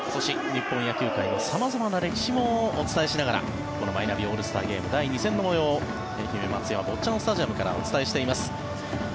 日本野球界の様々な歴史もお伝えしながらこのマイナビオールスターゲーム第２戦の模様を愛媛松山・坊っちゃんスタジアムからお伝えしています。